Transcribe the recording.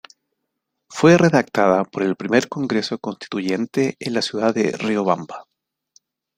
Fue redactada por el primer Congreso Constituyente en la ciudad de Riobamba.